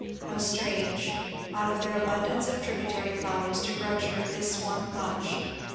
How strange out of their abundance of tributary flowers to grudge her this one bunch!